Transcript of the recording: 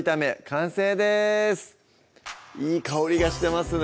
完成ですいい香りがしてますね